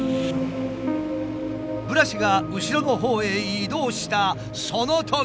ブラシが後ろのほうへ移動したそのとき。